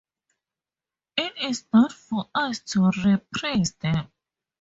It is not for us to reappraise them.